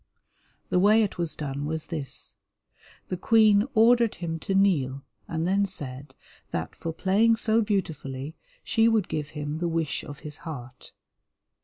The way it was done was this. The Queen ordered him to kneel, and then said that for playing so beautifully she would give him the wish of his heart.